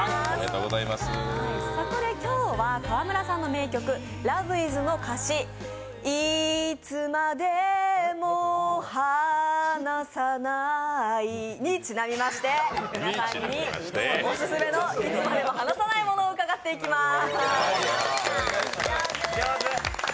そこで今日は河村さんの名曲、「ＬＯＶＥｉｓ．．．」の歌詞にちなみまして、皆さんのオススメのいつまでも離さないものを伺っていきまーす。